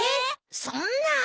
そんな。